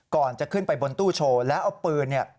ก่อนจะขึ้นไปบนตู้โชว์แล้วเอาปืนเนี่ย